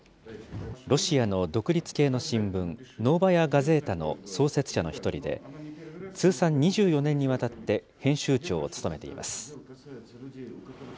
ロシアの独立系の新聞、ノーバヤ・ガゼータの創設者の一人で、通算２４年にわたって編集長を務めています。